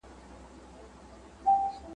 د تولیداتو پراختیا د هیواد په ګټه ده.